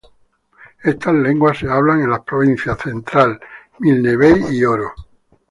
Estas lenguas se hablan en las provincias Central, Milne Bay y Oro.